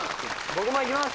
僕もいきます